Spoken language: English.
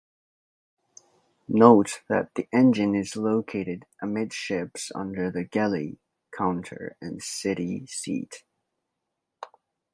Note that the engine is located amidships under the galley counter and settee seat.